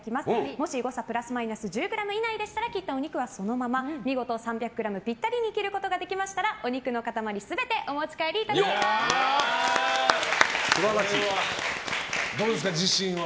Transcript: もし誤差プラスマイナス１０ｇ以内でしたらお肉をそのまま見事３００ｇピッタリに切ることができましたらお肉の塊どうですか、自信は。